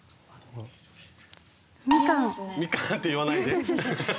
みかんって言わないで。